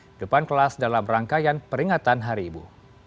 di depan kelas dalam rangkaian peringatan hari ibu